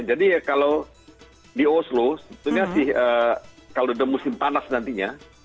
jadi ya kalau di oslo sebetulnya sih kalau udah musim panas nantinya